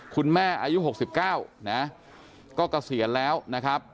คุณแม่อายุ๖๙ก็เกษียณแล้วนะครับ